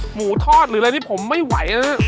หมูทอดหรืออะไรที่ผมไม่ไหวนะ